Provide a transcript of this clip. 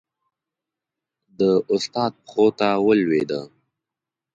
د استاد پښو ته ولوېده.